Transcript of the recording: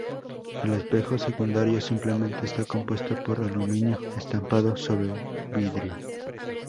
El espejo secundario simplemente está compuesto por aluminio estampado sobre vidrio.